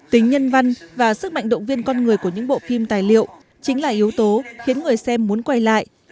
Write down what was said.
tính nhân văn và sức mạnh động viên con người của những bộ phim tài liệu chính là yếu tố khiến người xem muốn quay lại